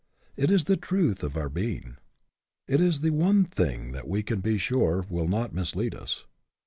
It is the truth of our 'being. It is the one thing that we can be sure will not mislead us.